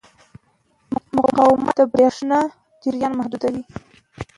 مقاومت د برېښنا جریان محدودوي.